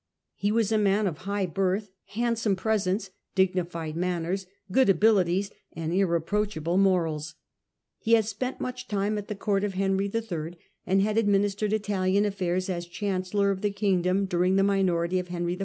He was a man of high birth, wibert handsome presence, dignified manners, good pJ^pefji^*'" abilities, and irreproachable morals. He had 86, 1080 spent much time at the court of Henry III., and. had administered Italian affairs, as chancellor of the kingdom, during the minority of Henry IV.